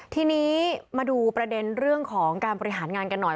ทีนี้มาดูประเด็นเรื่องของการบริหารงานกันหน่อย